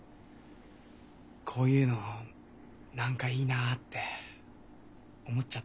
こういうのなんかいいなって思っちゃったんだよね。